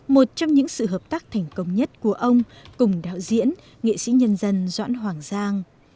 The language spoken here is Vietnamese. một trong những sự hợp tác thành công nhất của ông cùng đạo diễn nghệ sĩ nhân dân doãn hoàng giang